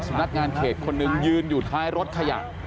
นักงานเขตคนหนึ่งยืนอยู่ท้ายรถขยะ